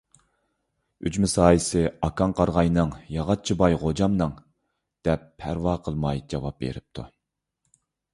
— ئۈجمە سايىسى ئاكاڭ قارىغاينىڭ، ياغىچى باي غوجامنىڭ، — دەپ پەرۋا قىلماي جاۋاب بېرىپتۇ.